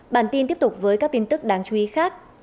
bản tin tiếp tục với các tin tức đáng chú ý khác